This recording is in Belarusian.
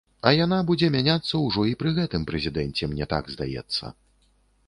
А яна будзе мяняцца ўжо і пры гэтым прэзідэнце, мне так здаецца.